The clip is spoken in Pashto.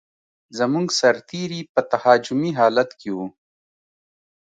زموږ سرتېري په تهاجمي حالت کې و.